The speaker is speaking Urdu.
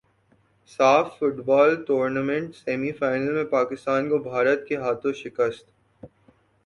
ساف فٹبال ٹورنامنٹ سیمی فائنل میں پاکستان کو بھارت کے ہاتھوں شکست